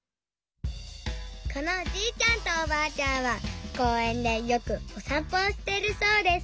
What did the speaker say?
このおじいちゃんとおばあちゃんはこうえんでよくおさんぽをしているそうです。